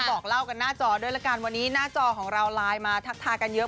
บอกเล่ากันหน้าจอด้วยละกันวันนี้หน้าจอของเราไลน์มาทักทายกันเยอะ